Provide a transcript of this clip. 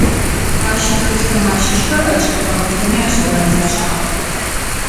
Ащ итхылъхэм ащыщхэр ӏэкӏыб хэгъэгухэми ащызэрадзэкӏыгъэх.